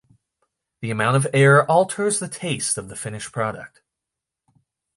The amount of air alters the taste of the finished product.